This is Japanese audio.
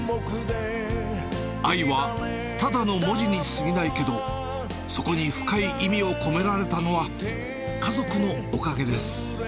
愛はただの文字にすぎないけど、そこに深い意味を込められたのは、家族のおかげです。